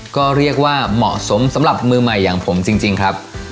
ก็เรียกว่าเหมาะสมสำหรับมือใหม่อย่างผมจริงครับ